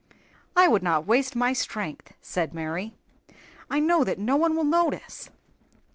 "I would not waste my strength," said Mary. "I know that no one will notice."